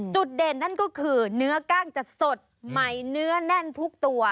จุดเด่นนั่นก็คือเนื้อกล้างจะสดใหม่เนื้อแน่นทุกตัว